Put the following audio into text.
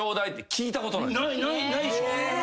ないでしょ。